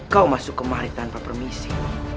kau masuk kemari tanpa permisi